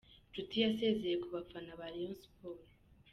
Nshuti yasezeye ku bafana ba Rayon Sports.